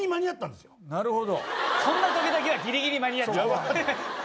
そんな時だけはギリギリ間に合っちゃう。